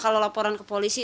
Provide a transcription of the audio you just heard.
kalau laporan ke polisi